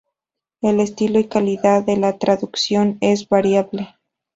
El estilo y calidad de la traducción es variable.